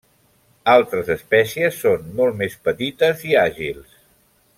Altres espècies són molt més petites i àgils.